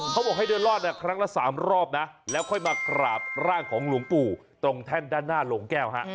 เขาบอกให้เดินรอดครั้งละ๓รอบนะแล้วค่อยมากราบร่างของหลวงปู่ตรงแท่นด้านหน้าโรงแก้วฮะ